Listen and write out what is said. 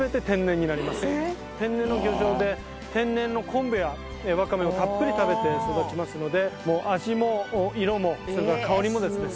天然の漁場で天然の昆布やワカメをたっぷり食べて育ちますので味も色もそれから香りもですね